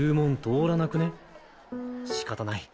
しかたない。